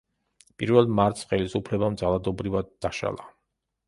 პირველ მარტს ხელისუფლებამ ძალადობრივად დაშალა.